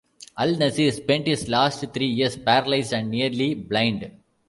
Al-Nasir spent his last three years paralysed and nearly blind.